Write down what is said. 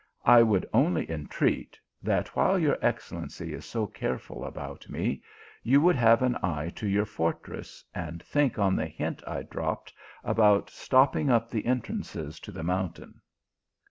I would only entreat, that while your excel lency is so careful about me, you would have an eye to your fortress, and think on the hint I drop ped about stopping up the entrances to the moun tain."